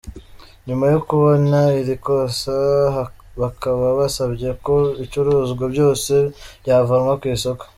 Nyuma yo kubona iri kosa bakaba basabye ko ibicuruzwa byose byavanwa ku isoko.